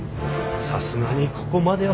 さすがにここまでは。